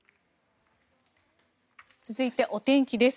続いてお天気です。